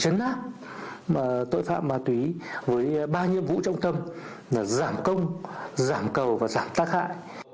chấn áp tội phạm ma túy với ba nhiệm vụ trọng tâm là giảm công giảm cầu và giảm tác hại